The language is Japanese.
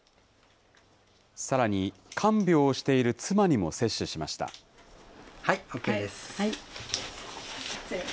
さらに、看病をしている妻にＯＫです。